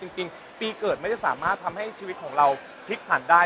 จริงปีเกิดไม่ได้สามารถทำให้ชีวิตของเราพลิกผ่านได้